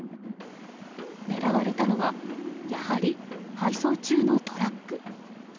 狙われたのはやはり配送中のトラック。